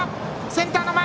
センター前。